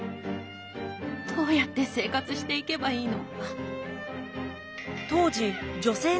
どうやって生活していけばいいの。